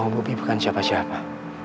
bobi tahu bobi bukan siapa siapa